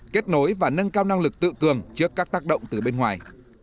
kết nối và nâng cao năng lực tự cường trước các tác động từ bên ngoài